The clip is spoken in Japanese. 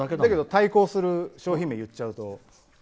対抗する商品名言っちゃうと。